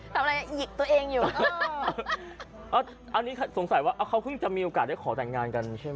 ทำอะไรหยิกตัวเองอยู่อันนี้สงสัยว่าเขาเพิ่งจะมีโอกาสได้ขอแต่งงานกันใช่ไหม